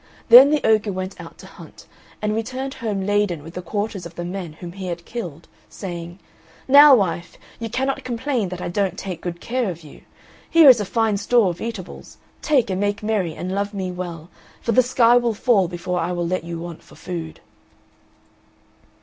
Then the ogre went out to hunt and returned home laden with the quarters of the men whom he had killed, saying, "Now, wife, you cannot complain that I don't take good care of you; here is a fine store of eatables, take and make merry and love me well, for the sky will fall before I will let you want for food."